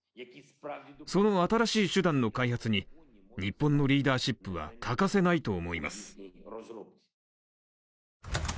その新しい手段の開発に、日本のリーダーシップが欠かせないと思います。